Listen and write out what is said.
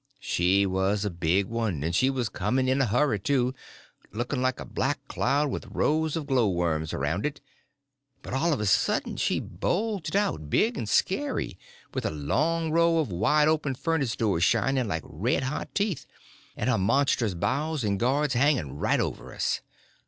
She was a big one, and she was coming in a hurry, too, looking like a black cloud with rows of glow worms around it; but all of a sudden she bulged out, big and scary, with a long row of wide open furnace doors shining like red hot teeth, and her monstrous bows and guards hanging right over us.